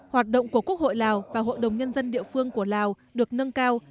hoạt động của quốc hội lào và hội đồng nhân dân địa phương của lào được nâng cao